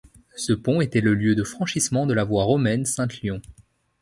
Ce pont était le lieu de franchissement de la voie romaine Saintes-Lyon.